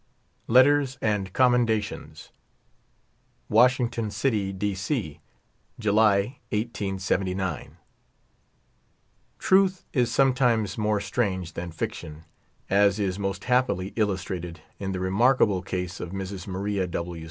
LETTERS AND COMMENDATIONS. Washington City, D. C July, 1879. Truth is sometimes more strange that fiction, as is most happily illustrated in the remarkable case of Mrs. Maria W.